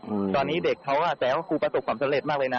อืมตอนนี้เด็กเขาอ่ะแต่ว่าครูประสบความสำเร็จมากเลยนะ